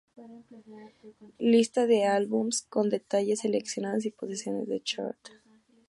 Lista de álbumes, con detalles seleccionados y posiciones de chart.